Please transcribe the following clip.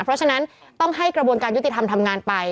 เพราะฉะนั้นต้องให้กระบวนการยุติธรรมทำงานไป